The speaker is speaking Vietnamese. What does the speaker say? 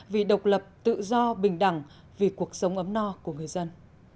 vì độc lập tự do bình đẳng vì cuộc sống ấm no của người dân